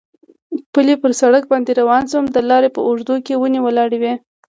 پلی پر سړک باندې روان شوم، د لارې په اوږدو کې ونې ولاړې وې.